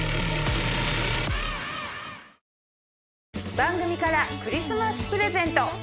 番組からクリスマスプレゼント！